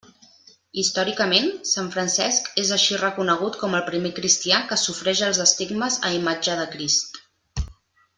Històricament, sant Francesc és així reconegut com el primer cristià que sofreix els estigmes a imatge de Crist.